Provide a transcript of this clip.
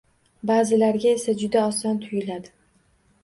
Ba'zilarga esa juda oson tuyuladi